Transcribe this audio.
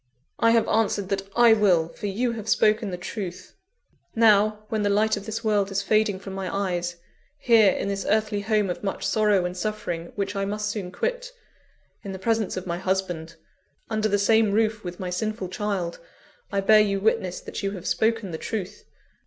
"I have answered that I will; for you have spoken the truth. Now, when the light of this world is fading from my eyes; here, in this earthly home of much sorrow and suffering, which I must soon quit in the presence of my husband under the same roof with my sinful child I bear you witness that you have spoken the truth.